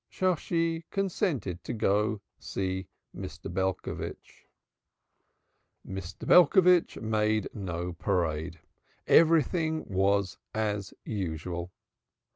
Shosshi consented to go and see Mr. Belcovitch. Mr. Belcovitch made no parade. Everything was as usual.